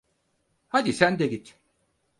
Hadi sen de git…